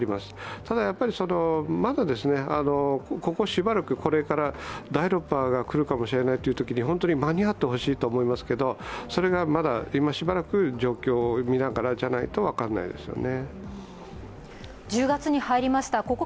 ただ、まだ、ここしばらくこれから第６波がくるかもしれないというときに本当に間に合ってほしいと思いますけどそれがまだ今しばらく状況を見ながらじゃないと分からないですよね。